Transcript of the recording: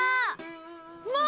もう！